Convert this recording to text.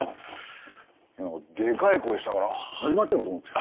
でかい声したから始まってるのかと思ったよ。